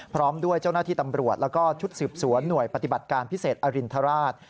พร้อมด้วยเจ้าหน้าที่ตำรวจแล้วก็ชุดสืบสวนหน่วยปฏิบัติการพิเศษอรินทราช